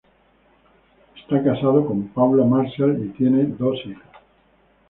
Está casado con Paula Marshall y tiene dos hijas.